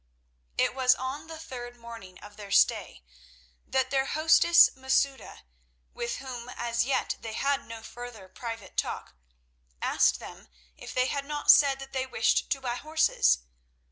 It was on the third morning of their stay that their hostess Masouda, with whom as yet they had no further private talk, asked them if they had not said that they wished to buy horses.